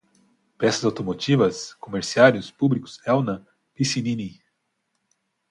peças automotivas, comerciários, públicos, Elna, Pissinini